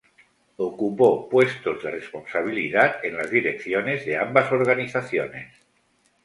Ocupó puestos de responsabilidad en las direcciones de ambas organizaciones.